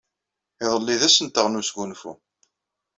Iḍelli d ass-nteɣ n wesgunfu.